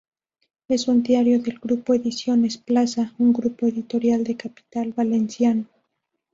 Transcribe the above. Es un diario del grupo Ediciones Plaza, un grupo editorial de capital valenciano.